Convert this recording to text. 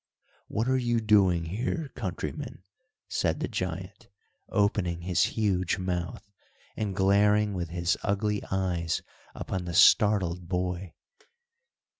"What are you doing here, countryman," said the giant, opening his huge mouth, and glaring with his ugly eyes upon the startled boy.